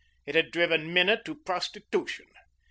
It had driven Minna to prostitution.